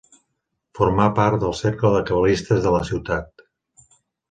Formà part del cercle de cabalistes de la ciutat.